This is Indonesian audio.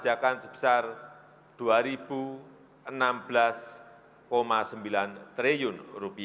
yang sebesar rp dua enam belas sembilan triliun